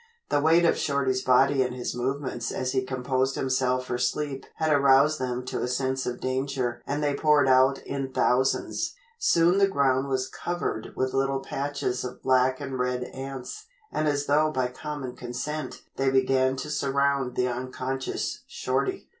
The weight of Shorty's body and his movements as he composed himself for sleep had aroused them to a sense of danger and they poured out in thousands. Soon the ground was covered with little patches of black and red ants, and as though by common consent they began to surround the unconscious Shorty.